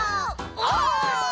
お！